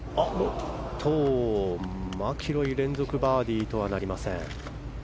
マキロイ連続バーディーとはなりません。